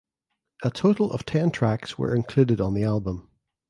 A total of ten tracks were included on the album.